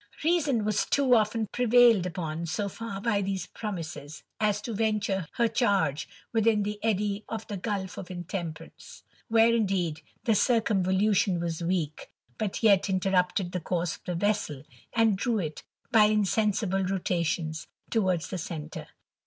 Reason was too often prevailed upon so far by these promises, as to venture her charge within the eddy of the gulph of Intemperance, where, indeed, the circumvolution was weak, but yet interrupted the course of the vessel^ and drew it, by insensible rotations, towards the centre.